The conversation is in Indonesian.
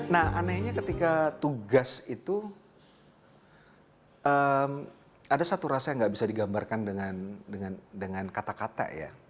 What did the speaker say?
nah anehnya ketika tugas itu ada satu rasa yang gak bisa digambarkan dengan kata kata ya